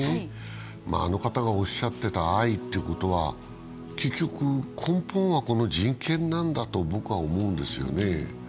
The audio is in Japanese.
あの方がおっしゃっていた愛ということは、結局、根本はこの人権なんだと僕は思うんですよね。